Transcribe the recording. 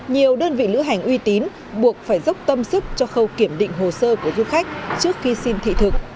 nhiều đơn vị lữ hành uy tín buộc phải dốc tâm sức cho khâu kiểm định hồ sơ của du khách trước khi xin thị thực